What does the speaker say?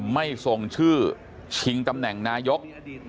ไม่ส่งชื่อชิงตำแหน่งนายก